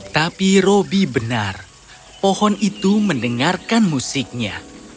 tapi roby benar pohon itu mendengarkan musiknya